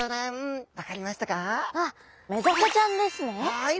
はい。